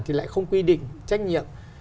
thì lại không quy định trách nhiệm